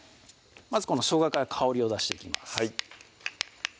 まずこのしょうがから香りを出していきます